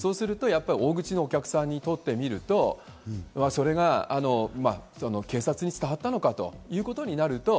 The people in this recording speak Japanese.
そうすると大口のお客さんにとってみると、警察に伝わったのかということになると。